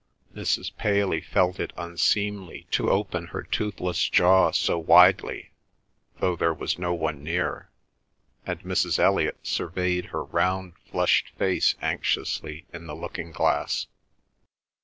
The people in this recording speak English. Mrs. Paley felt it unseemly to open her toothless jaw so widely, though there was no one near, and Mrs. Elliot surveyed her round flushed face anxiously in the looking glass.